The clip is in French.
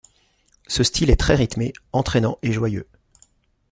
Ce style est très rythmé, entraînant et joyeux.